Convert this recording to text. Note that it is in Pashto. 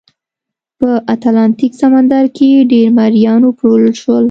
په اتلانتیک سمندر کې ډېر مریان وپلورل شول.